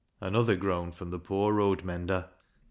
(Another groan from the poor road mender.)